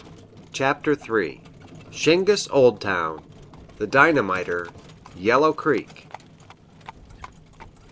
] CHAPTER III. Shingis Old Town The dynamiter Yellow Creek.